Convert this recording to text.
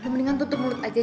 mendingan tutup mulut aja